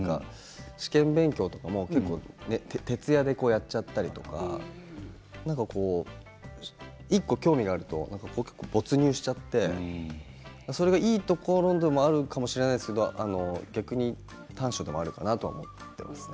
試験勉強とかも徹夜でやっちゃったりとかなんかこう、１個興味があると没入しちゃってそれがいいところでもあるかもしれないですけど逆に短所でもあるかなと思っていますね。